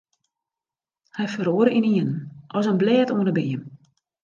Hy feroare ynienen as in blêd oan 'e beam.